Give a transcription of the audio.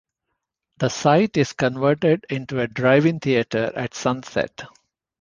The site is converted into a drive-in theater at sunset.